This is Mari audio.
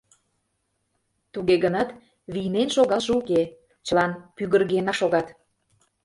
Туге гынат, вийнен шогалше уке, чылан пӱгыргенак шогат.